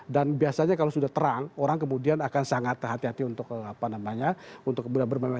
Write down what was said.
dan biasanya kalau sudah terang orang kemudian akan sangat terhati hati untuk berbunyi bunyi